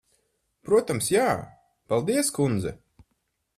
Protams, jā. Paldies, kundze.